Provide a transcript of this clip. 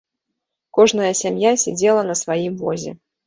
Кожная сям'я сядзела на сваім возе.